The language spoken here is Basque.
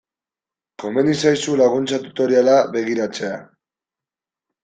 Komeni zaizu laguntza tutoriala begiratzea.